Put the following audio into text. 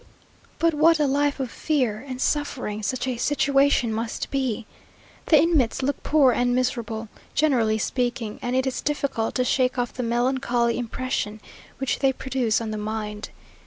But what a life of fear and suffering such a situation must be! The inmates look poor and miserable, generally speaking, and it is difficult to shake off the melancholy impression which they produce on the mind.